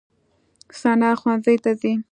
ثنا ښوونځي ته ځي.